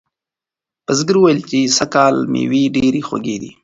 بزګر وویل چې سږکال مېوې ډیرې خوږې دي.